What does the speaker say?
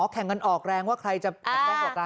แข่งกันออกแรงว่าใครจะแข็งแรงกว่าเรา